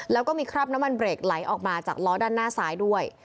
แล้วก็มีคราบน้ำมันเบรกไหลออกมาจากล้อด้านหน้าซ้ายด้วย